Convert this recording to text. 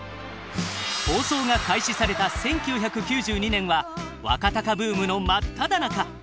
放送が開始された１９９２年は若貴ブームの真っただ中。